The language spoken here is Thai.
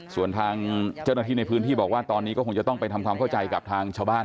ส่วนทางเจ้าหน้าที่ในพื้นที่บอกว่าตอนนี้ก็คงจะต้องไปทำความเข้าใจกับทางชาวบ้าน